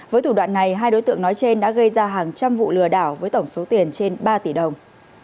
với thủ đoạn này hai đối tượng nói trên đã gây ra hàng trăm vụ lừa đảo với tổng số tiền trên ba tỷ đồng